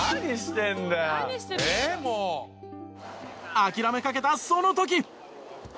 諦めかけたその時。